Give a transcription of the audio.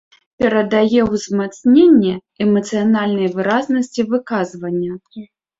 Перадае ўзмацненне эмацыянальнай выразнасці выказвання.